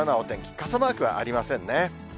傘マークはありませんね。